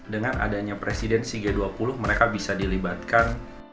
dengan adanya presidensi g dua puluh mereka bisa dilibatkan